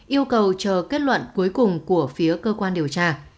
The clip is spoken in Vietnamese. yêu cầu chờ kết luận cuối cùng của phía cơ quan điều tra